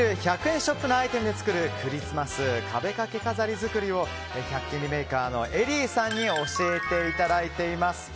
１００円ショップのアイテムで作るクリスマス壁掛け飾り作りを１００均リメイカーのエリィさんに教えていただいています。